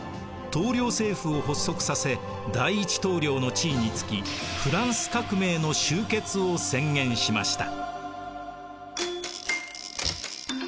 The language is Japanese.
統領政府を発足させ第一統領の地位に就きフランス革命の終結を宣言しました。